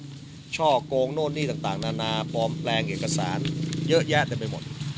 ก็ไปแล้วนะครับช่อกโกงโน่นนี่ต่างนานาปลอมแรงเอกสารเยอะแยะได้ไปหมด